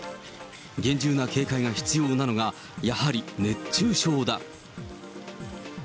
厳重な警戒が必要なのが、やはり熱中症だ。